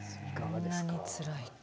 こんなにつらいか。